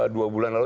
dua bulan lalu